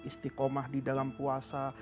istiqomah di dalam puasa